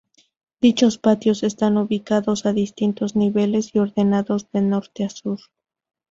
Dichos patios están ubicados a distintos niveles y ordenados de norte a Sur.